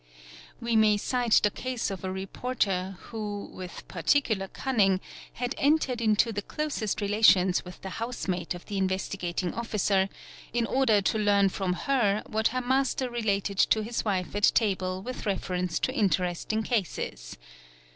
We may cite the case of a reporter who with particular cunning had | entered into the closest relations with the house maid of the Investigating | Officer, in order to learn from her what her master related to his wife at 'able with reference to interesting cases.